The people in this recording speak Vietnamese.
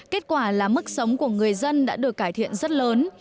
kết quả là mức sống của người dân đã được cải thiện rất lớn